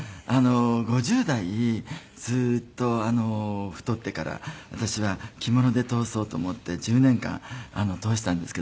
５０代ずっと太ってから私は着物で通そうと思って１０年間通したんですけど。